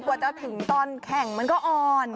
กว่าจะถึงตอนแข่งมันก็อ่อน